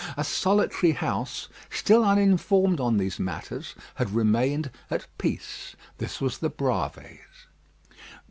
A solitary house, still uninformed on these matters, had remained at peace. This was the Bravées.